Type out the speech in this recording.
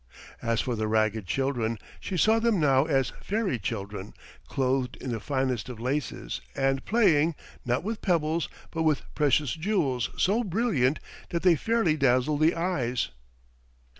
As for the ragged children, she saw them now as fairy children clothed in the finest of laces and playing, not with pebbles, but with precious jewels so brilliant that they fairly dazzled the eyes.